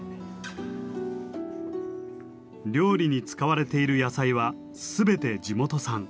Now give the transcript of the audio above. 料理に使われている野菜は全て地元産。